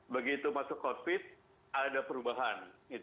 begitu masuk covid ada perubahan